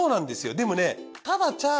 でもね。